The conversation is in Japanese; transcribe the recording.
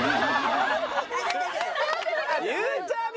ゆうちゃみ！